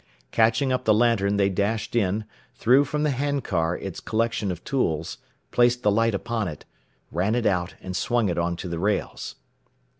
Catching up the lantern, they dashed in, threw from the hand car its collection of tools, placed the light upon it, ran it out, and swung it onto the rails.